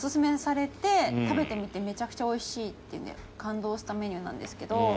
食べてみてめちゃくちゃおいしいって感動したメニューなんですけど。